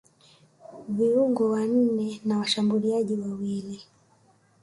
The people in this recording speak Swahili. viungo wanne na washambuliaji wawili